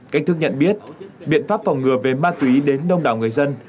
cách thức nhận biết biện pháp phòng ngừa về ma túy đến đông đảo người dân